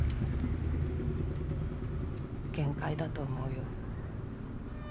限界だと思うよ。